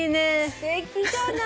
すてきじゃない！